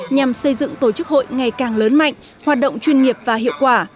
nhằm xây dựng tổ chức hội ngày càng lớn mạnh hoạt động chuyên nghiệp và hiệu quả